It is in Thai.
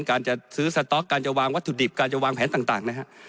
การจะซื้อสต๊อกการจะวางวัตถุดิบการจะวางแผนต่างนะฮะ